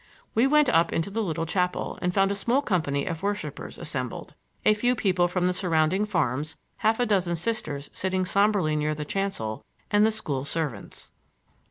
We went up into the little chapel and found a small company of worshipers assembled,—a few people from the surrounding farms, half a dozen Sisters sitting somberly near the chancel and the school servants.